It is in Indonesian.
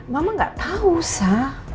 mama gak tahu sa